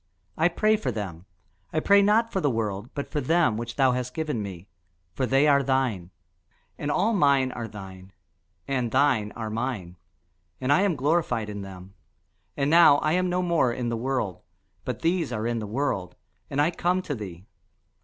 I pray for them: I pray not for the world, but for them which thou hast given me; for they are thine. And all mine are thine, and thine are mine; and I am glorified in them. And now I am no more in the world, but these are in the world, and I come to thee.